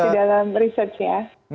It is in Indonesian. masih dalam research ya